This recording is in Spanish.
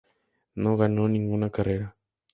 No ganó ninguna carrera.